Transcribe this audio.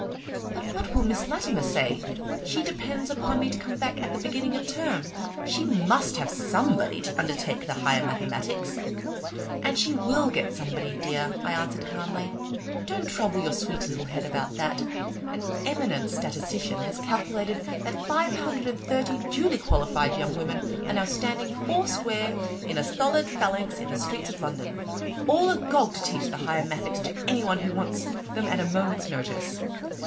" But what will Miss Eatimer say ? She depends upon me to come back at the beginning of term. She must have somebody to undertake the higher mathematics." " And she will get somebody, dear," I answered, calmly. " Don't trouble your sweet little head about that. An emi nent statistician has calculated that five hundred and thirty duly qualified young women are now standing four square in a solid phalanx in the streets of London, all agog to teach the higher mathematics to anyone who wants them at a mo ment's notice.